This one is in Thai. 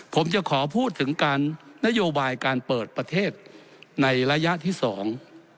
ผมจะขอพูดถึงการนโยบายการเปิดประเทศในระยะที่สอง